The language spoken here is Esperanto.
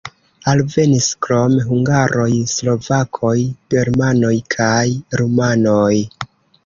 Alvenis krom hungaroj slovakoj, germanoj kaj rumanoj.